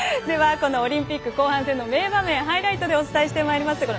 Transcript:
オリンピック後半戦の名場面、ハイライトでお伝えしてまいります